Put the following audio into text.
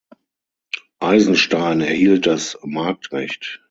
Eisenstein erhielt das Marktrecht.